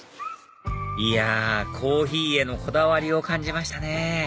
いやコーヒーへのこだわりを感じましたね